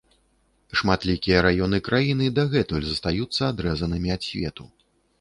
Шматлікія раёны краіны дагэтуль застаюцца адрэзанымі ад свету.